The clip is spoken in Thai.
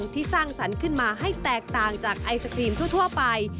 สร้างสรรค์ขึ้นมาให้แตกต่างจากไอศครีมทั่วไป